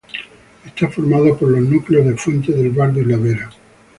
Está formado por los núcleos de Fuente del Bardo y La Vera.